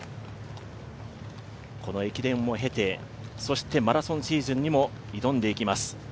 この駅伝を経て、マラソンシーズンにも挑んでいきます。